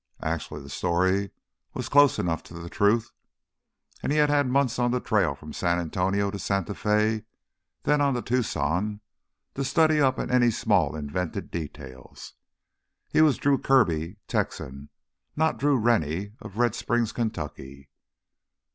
Actually the story was close enough to the truth. And he had had months on the trail from San Antonio to Santa Fe, then on to Tucson, to study up on any small invented details. He was Drew Kirby, Texan, not Drew Rennie of Red Springs, Kentucky.